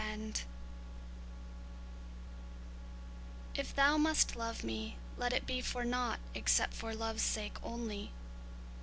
XIV If thou must love me, let it be for nought Except for love's sake only.